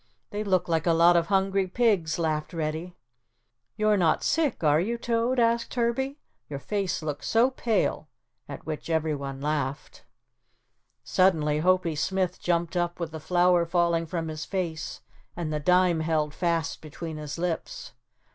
"They look like a lot of hungry pigs," laughed Reddy. "You're not sick, are you Toad?" asked Herbie, "your face looks so pale," at which everyone laughed. Suddenly Hopie Smith jumped up with the flour falling from his face and the dime held fast between his lips.